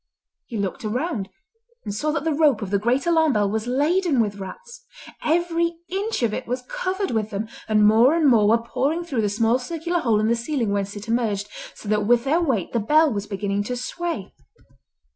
He looked around and saw that the rope of the great alarm bell was laden with rats. Every inch of it was covered with them, and more and more were pouring through the small circular hole in the ceiling whence it emerged, so that with their weight the bell was beginning to sway.